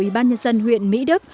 ủy ban nhân dân huyện mỹ đức